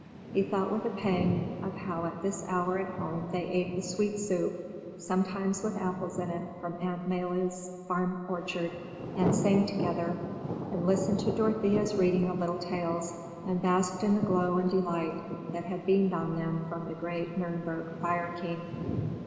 He thought with a pang of how at this hour at home they ate the sweet soup, sometimes with apples in it from Aunt Maïla's farm orchard, and sang together, and listened to Dorothea's reading of little tales, and basked in the glow and delight that had beamed on them from the great Nürnberg fire king.